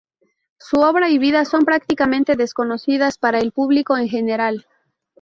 Su obra y vida son prácticamente desconocidas para el público en general.